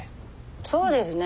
そうですね。